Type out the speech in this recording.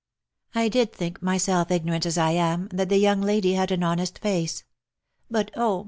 I did think, myself, ignorant as I am, that the young lady had an honest face. But, oh